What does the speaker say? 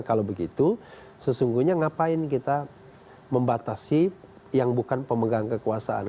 kalau begitu sesungguhnya ngapain kita membatasi yang bukan pemegang kekuasaan